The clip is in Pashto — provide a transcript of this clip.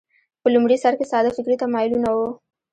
په لومړي سر کې ساده فکري تمایلونه وو